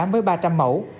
với ba trăm linh mẫu